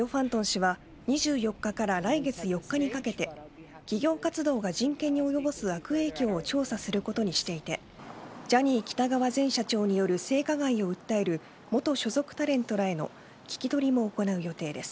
エオファントン氏は２８日から来月４日にかけて企業活動が人権に及ぼす悪影響を調査することにしていてジャニー喜多川前社長による性加害を訴える元所属タレントらへの聞き取りも行う予定です。